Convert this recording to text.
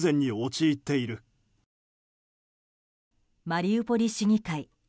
マリウポリ市議会。